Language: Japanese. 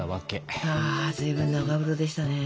ああ随分長風呂でしたね。